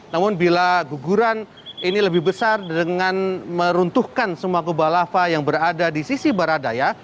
namun bila guguran ini lebih besar dengan meruntuhkan semua kubah lava yang berada di sisi barat daya